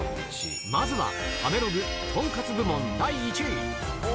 まずは食べログとんかつ部門第１位。